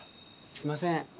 すみません。